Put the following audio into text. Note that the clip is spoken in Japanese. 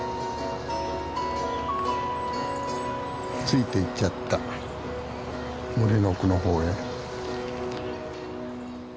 ついていっちゃった森の奥の方へ。